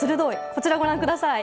こちら、ご覧ください。